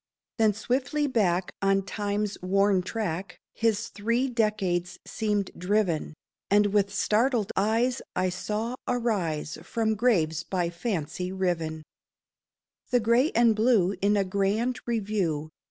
Then swiftly back on Time's worn track His three decades seemed driven, And with startled eyes I saw arise, From graves by fancy riven, The Gray and Blue in a grand review.